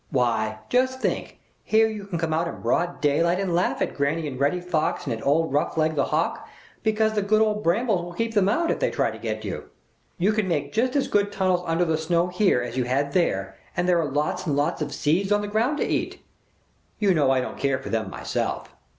Why, just think, here you can come out in broad daylight and laugh at Granny and Reddy Fox and at old Roughleg the Hawk, because the good old brambles will keep them out, if they try to get you. You can make just as good tunnels under the snow here as you had there, and there are lots and lots of seeds on the ground to eat. You know I don't care for them myself.